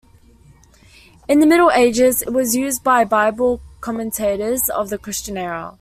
In the Middle Ages it was used by Bible commentators of the Christian era.